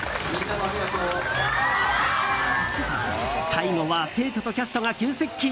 最後は生徒とキャストが急接近。